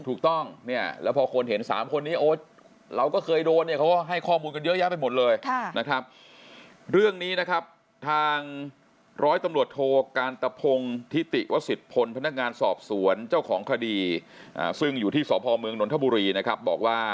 ถูกต้องเนี่ยแล้วพอคนเห็น๓คนนี้โอ๊ยเราก็เคยโดนเนี่ยเขาก็ให้ข้อมูลกันเยอะแยะไปหมดเลยนะครับ